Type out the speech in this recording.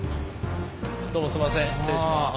どうもすいません失礼します。